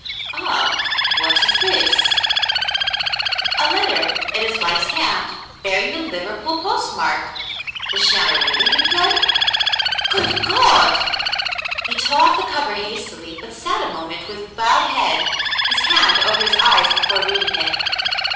"Ah, what is this ?'^ A letter in his wife's hand, bear ing the Liverpool postmark ! Was she on her way to him, then ? "Good God !" He tore off the cover hastily, but sat a moment with bowed head, his hand over his eyes, before reading it.